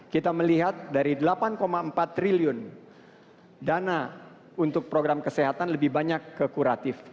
kita melihat dari delapan empat triliun dana untuk program kesehatan lebih banyak ke kuratif